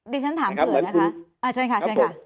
เดี๋ยวฉันถามเผื่อนะคะ